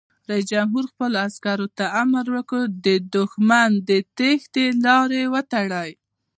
رئیس جمهور خپلو عسکرو ته امر وکړ؛ د دښمن د تیښتې لارې وتړئ!